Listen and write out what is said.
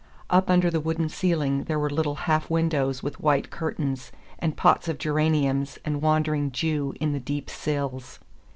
Up under the wooden ceiling there were little half windows with white curtains, and pots of geraniums and wandering Jew in the deep sills.